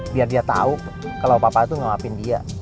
biar dia tahu kalau papa itu nggak maafin dia